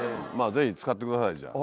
ぜひ使ってください、じゃあ。